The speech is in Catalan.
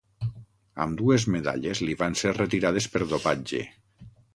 Ambdues medalles li van ser retirades per dopatge.